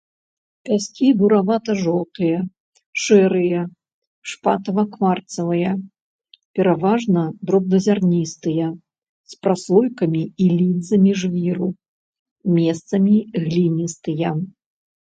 Пяскі буравата-жоўтыя, шэрыя, шпатава-кварцавыя, пераважна дробназярністыя, з праслойкамі і лінзамі жвіру, месцамі гліністыя.